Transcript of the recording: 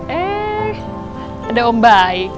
eh ada om baik